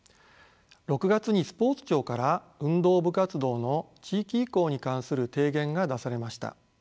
６月にスポーツ庁から運動部活動の地域移行に関する提言が出されました。